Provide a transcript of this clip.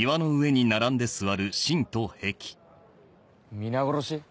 皆殺し？